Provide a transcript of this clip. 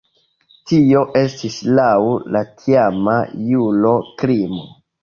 Tio estis laŭ la tiama juro krimo.